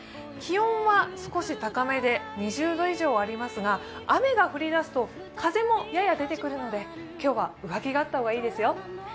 気温は少し高めで２０度以上ありますが雨が降りだすと風もやや出てくるので今日は上着があった方がいいですよ。